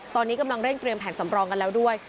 ตอนนี้กำลังเร่งเตรียมแผนสำรองกันแล้วด้วย